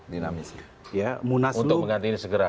dinamisi untuk mengganti ini segera